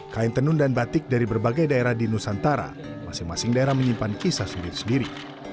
kain tenun dan batik dari berbagai daerah di nusantara masing masing daerah menyimpan kisah sendiri sendiri